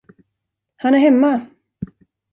Han är hemma!